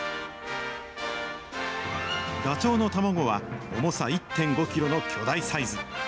ダチョウの卵は重さ１．５キロの巨大サイズ。